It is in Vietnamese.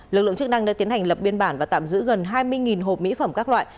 lực lượng chức năng đã tiến hành lập biên bản và tạm giữ gần hai mươi hộp mỹ phẩm các loại